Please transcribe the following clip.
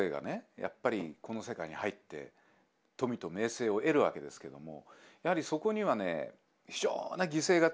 やっぱりこの世界に入って富と名声を得るわけですけどもやはりそこにはね非常な犠牲がつくんですよね。